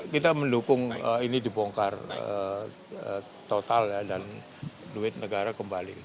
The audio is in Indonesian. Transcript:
kita mendukung ini dibongkar total dan duit negara kembali